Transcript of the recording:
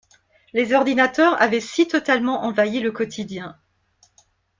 les ordinateurs avaient si totalement envahi le quotidien